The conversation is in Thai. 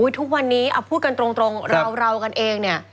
ทุกวันนี้พูดกันตรงเรากันเองเนี่ย